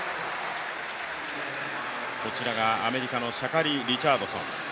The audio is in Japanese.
こちらがアメリカのシャカリ・リチャードソン。